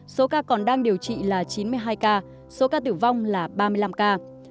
số ca còn đang điều trị là chín mươi hai ca số ca tử vong là ba mươi năm ca